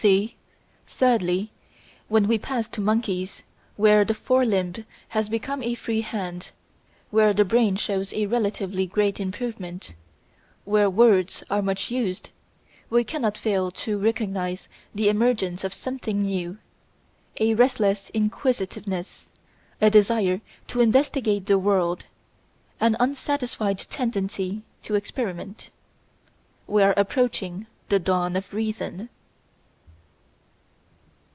(c) Thirdly, when we pass to monkeys, where the fore limb has become a free hand, where the brain shows a relatively great improvement, where "words" are much used, we cannot fail to recognise the emergence of something new a restless inquisitiveness, a desire to investigate the world, an unsatisfied tendency to experiment. We are approaching the Dawn of Reason.